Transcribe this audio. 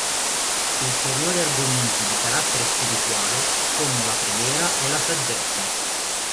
Ulteriori argomenti di carattere spirituale sono la preghiera e la saggezza.